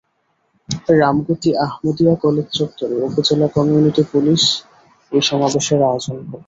Ramgati Ahmadiya college চত্বরে উপজেলা community police ওই সমাবেশের আয়োজন করে।